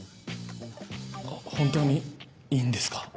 本当にいいんですか？